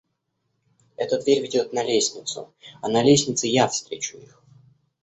Эта дверь ведет на лестницу, а на лестнице я встречу их.